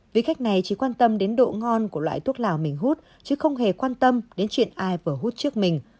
vị khách này chỉ quan tâm đến độ ngon của loại thuốc lào mình hút chứ không hề quan tâm đến chuyện ai vừa hút trước mình